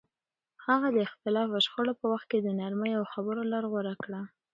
هغه د اختلاف او شخړو په وخت د نرمۍ او خبرو لار غوره کړه.